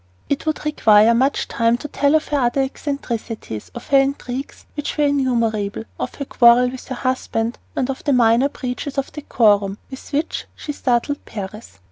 It would require much time to tell of her other eccentricities, of her intrigues, which were innumerable, of her quarrel with her husband, and of the minor breaches of decorum with which she startled Paris.